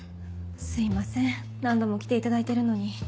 すいません何度も来ていただいているのに。